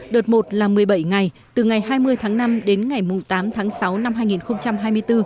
đợt một là một mươi bảy ngày từ ngày hai mươi tháng năm đến ngày tám tháng sáu năm hai nghìn hai mươi bốn